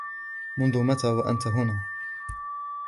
منذ متى وأنت هنا ؟